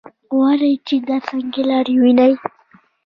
غواړم چې دا تنګې لارې ووینم.